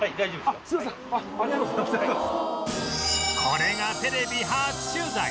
これがテレビ初取材